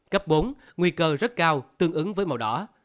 cấp bốn nguy cơ rất cao tương ứng với màu đỏ